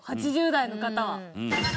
８０代の方は。